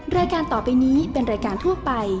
รายการต่อไปนี้เป็นรายการทั่วไป